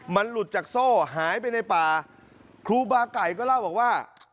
มันหลุดจากโซ่หายไปในป่าครูบาไก่ก็เล่าบอกว่า